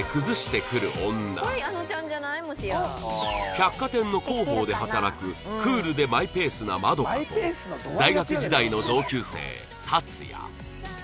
百貨店の広報で働くクールでマイペースなマドカと大学時代の同級生タツヤ